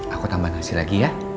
aku tambah nasi lagi ya